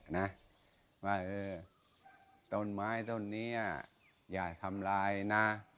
หวัญว่าต้นไม้ต้นนี้อย่าทำร้ายนะ